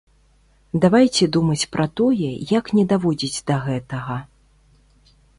Давайце думаць пра тое, як не даводзіць да гэтага.